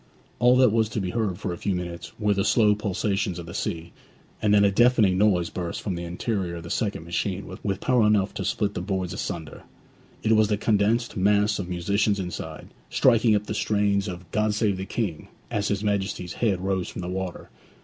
All that was to be heard for a few minutes were the slow pulsations of the sea; and then a deafening noise burst from the interior of the second machine with power enough to split the boards asunder; it was the condensed mass of musicians inside, striking up the strains of 'God save the King,' as his Majesty's head rose from the water.